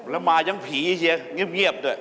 แล้วมายังผีเชียเงียบด้วย